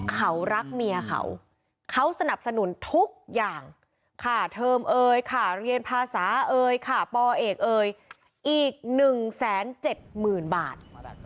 เขารักเมียเขาเขาสนับสนุนทุกอย่างค่าเทอมเอ๋ยค่าเรียนภาษาเอ๋ยค่าปเอกเอ๋ยอีกหนึ่งแสนเจ็ดหมื่นบาท